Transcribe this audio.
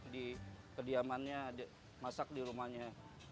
di kediamannya masak di rumahnya